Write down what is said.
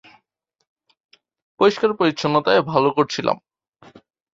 পরিষ্কার-পরিচ্ছন্নতায় ভালো করেছিলাম।